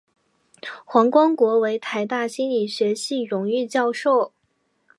黄光国为台大心理学系荣誉教授。